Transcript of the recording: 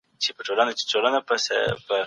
سیاسي بندیان په اوسني حکومت کي بشپړ استازي نه لري.